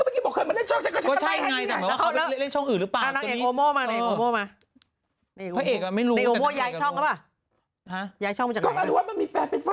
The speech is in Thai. นี่ก็เมื่อกี้บอกเคยมาเล่นช่องฉันก็ฉันก็ไปให้ดิไง